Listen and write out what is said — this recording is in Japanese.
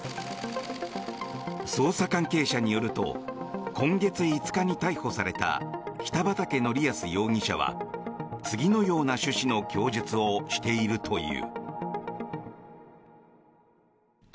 捜査関係者によると今月５日に逮捕された北畠成文容疑者は次のような趣旨の供述をしているという。